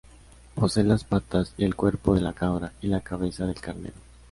Posee las patas y el cuerpo de la cabra y la cabeza del carnero.